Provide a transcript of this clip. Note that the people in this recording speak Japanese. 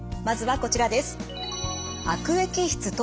まずはこちらです。